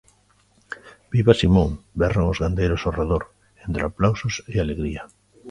Viva Simón, berran os gandeiros ao redor, entre aplausos e alegría.